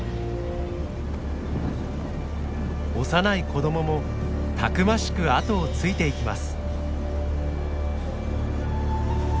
幼い子どももたくましくあとをついていきます。